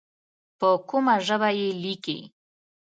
په کومه ژبه یې لیکې.